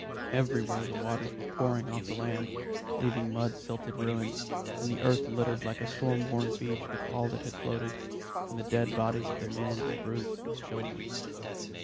Everywhere the waters were pouring off the land, leaving mud silted ruins, and the earth littered like a storm worn beach with all that had floated, and the dead bodies of the men and brutes, its children.